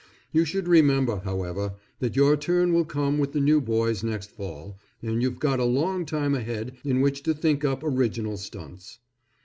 You should remember, however, that your turn will come with the new boys next fall, and you've got a long time ahead in which to think up original stunts.